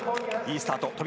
いいスタート